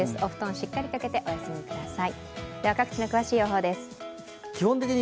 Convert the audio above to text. しっかりかけてお休みください。